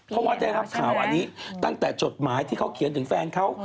เพราะว่าได้รับข่าวอันนี้ตั้งแต่จดหมายที่เขาเขียนถึงแฟนเขา